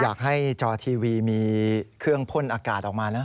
จอทีวีมีเครื่องพ่นอากาศออกมานะ